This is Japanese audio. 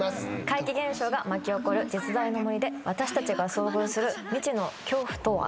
怪奇現象が巻き起こる実在の森で私たちが遭遇する未知の恐怖とは？